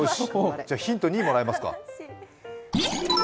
ヒント２、もらえますか？